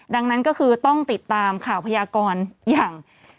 ดังนั้นก็คือต้องติดตามข่าวพยากรอย่าง